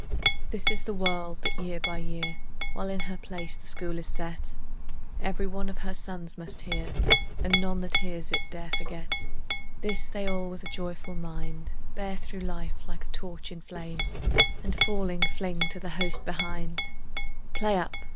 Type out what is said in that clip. This is the word that year by year, While in her place the School is set, Every one of her sons must hear, And none that hears it dare forget. This they all with a joyful mind Bear through life like a torch in flame, And falling, fling to the host behind "Play up!